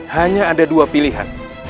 hanya ada dua pilihan